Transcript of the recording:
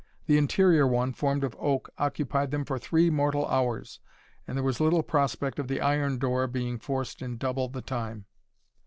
The interior one, formed of oak, occupied them for three mortal hours, and there was little prospect of the iron door being forced in double the time.